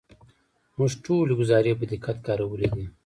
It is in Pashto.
موږ ټولې ګزارې په دقت کارولې دي.